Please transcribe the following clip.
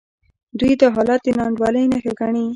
دوی دا حالت د ناانډولۍ نښه ګڼي.